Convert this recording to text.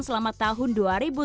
yang mengalami kenaikan